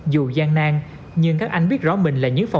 dù gian nang nhưng các anh biết rõ mình là những phòng